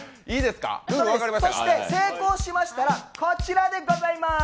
成功しましたらこちらでございます。